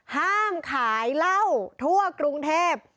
ห้ามขายเหล้าทั่วกรุงเทพ